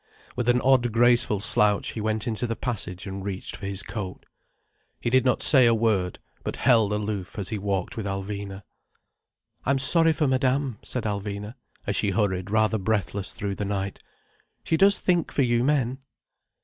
With an odd graceful slouch he went into the passage and reached for his coat. He did not say a word, but held aloof as he walked with Alvina. "I'm sorry for Madame," said Alvina, as she hurried rather breathless through the night. "She does think for you men."